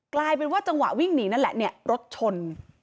กลายเป็นว่าจังหวะวิ่งหนีนั่นแหละเนี่ยรถชน